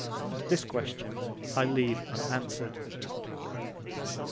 This question I leave unanswered.